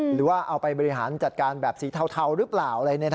หรือว่าเอาไปบริหารจัดการแบบสีเทาหรือเปล่าอะไร